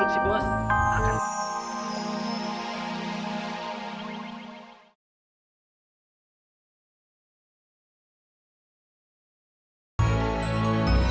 kalian harus provokasi penonton